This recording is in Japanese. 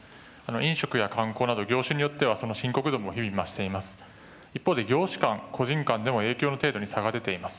飲食や観光など、業種によっては、深刻度も日々増しています。